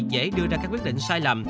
dễ đưa ra các quyết định sai lầm